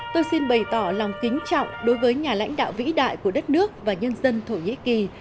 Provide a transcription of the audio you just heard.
tôi xin bày tỏ lòng kính trọng đối với nhà lãnh đạo vĩ đại của đất nước và nhân dân thổ nhĩ kỳ